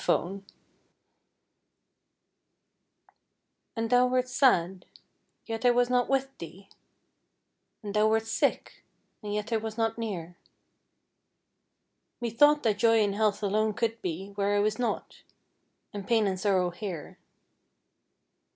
And thou wert sad yet I was not with thee; And thou wert sick, and yet I was not near; Methought that Joy and Health alone could be Where I was not and pain and sorrow here!